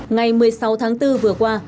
ngày một mươi sáu tháng bốn vừa qua